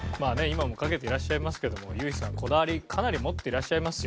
今もかけていらっしゃいますけども雄飛さんこだわりかなり持っていらっしゃいますよ。